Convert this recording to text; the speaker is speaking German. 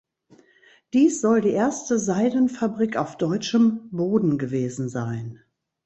Dies soll die erste Seidenfabrik auf deutschem Boden gewesen sein.